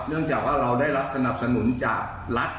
จากว่าเราได้รับสนับสนุนจากรัฐ